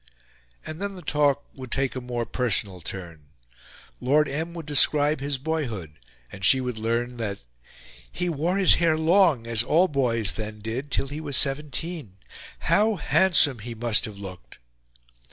And then the talk would take a more personal turn. Lord M. would describe his boyhood, and she would learn that "he wore his hair long, as all boys then did, till he was 17; (how handsome he must have looked!)."